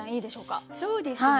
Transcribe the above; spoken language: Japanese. そうですね